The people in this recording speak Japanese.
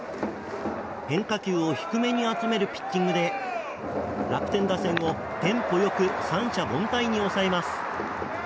変化球を低めに集めるピッチングで楽天打線をテンポよく三者凡退に抑えます。